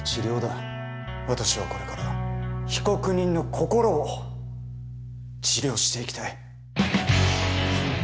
私はこれから被告人の心を治療していきたい。